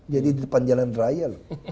jadi di depan jalan raya